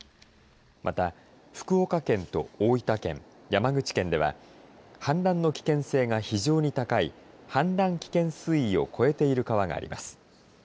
また福岡県と大分県山口県では氾濫の危険性が非常に高い氾濫危険水位を超えている川があります。